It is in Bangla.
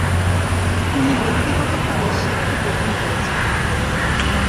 তিনি ব্যক্তিগতভাবে শিক্ষা গ্রহণ করেছিলেন।